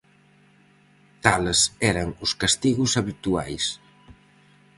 Tales eran os castigos habituais.